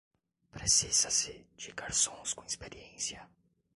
Precisa-se de garçons com experiência.